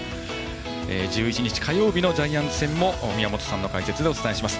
１１日火曜日のジャイアンツ戦も宮本さんの解説でお伝えします。